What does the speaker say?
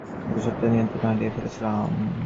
গত সপ্তাহে নিয়ন্ত্রণ হারিয়ে ফেলেছিলাম।